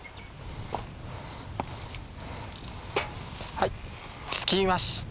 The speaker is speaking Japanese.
はい着きました。